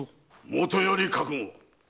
もとより覚悟！